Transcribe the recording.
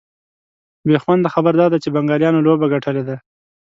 بېخونده خبر دا دی چي بنګالیانو لوبه ګټلې ده